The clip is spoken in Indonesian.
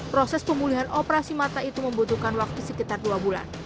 proses pemulihan operasi mata itu membutuhkan waktu sekitar dua bulan